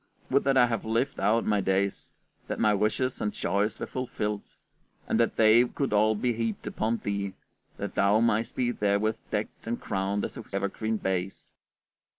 Would that I had lived out my days, that my wishes and joys were fulfilled, and that they could all be heaped upon thee, that thou mightst be therewith decked and crowned as with evergreen bays.